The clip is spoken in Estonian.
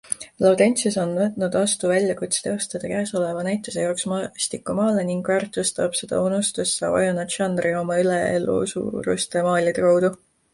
Laurentsius on võtnud vastu väljakutse teostada käesoleva näituse jaoks maastikumaale ning väärtustab seda unustusse vajunud žanri oma üleelusuuruste maalide kaudu.